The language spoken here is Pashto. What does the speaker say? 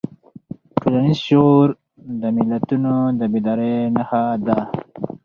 ټولنیز شعور د ملتونو د بیدارۍ نښه ده.